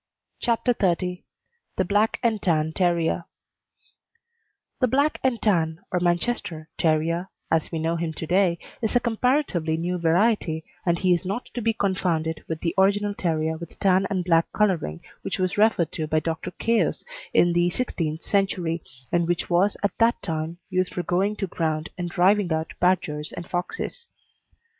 CHAPTER XXX THE BLACK AND TAN TERRIER The Black and Tan, or Manchester, Terrier as we know him to day is a comparatively new variety, and he is not to be confounded with the original terrier with tan and black colouring which was referred to by Dr. Caius in the sixteenth century, and which was at that time used for going to ground and driving out badgers and foxes.